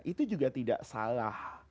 itu juga tidak salah